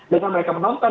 dan kalau mereka menonton